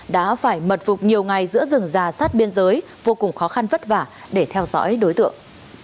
đã phải mật phục nhiều ngày giữa rừng già sát biên giới vô cùng khó khăn vất vả để theo dõi đối tượng